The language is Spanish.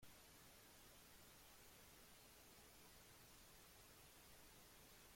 Songs by Carlos del Amo and Lua Rios.